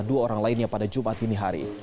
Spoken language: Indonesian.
dua orang lainnya pada jumat ini hari